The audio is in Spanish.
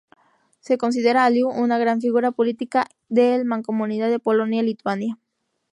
Se considera a Lew una gran figura política de al Mancomunidad de Polonia-Lituania.